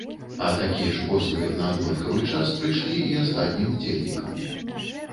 А такія ж позвы на аднолькавы час прыйшлі і астатнім ўдзельнікам.